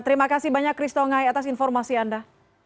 terima kasih banyak chris tongai atas informasi anda